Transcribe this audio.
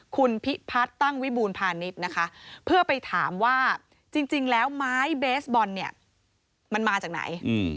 คุณพิพัฒน์ตั้งวิบูรพาณิชย์นะคะเพื่อไปถามว่าจริงแล้วไม้เบสบอลเนี่ยมันมาจากไหน